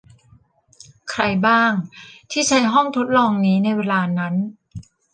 ใครบ้างที่ใช้ห้องทดลองนี้ในเวลานั้น